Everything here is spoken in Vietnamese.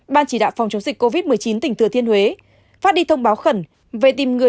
ban chỉ đạo phòng chống dịch covid một mươi chín tỉnh thừa thiên huế phát đi thông báo khẩn về tìm người